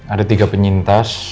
ada tiga penyintas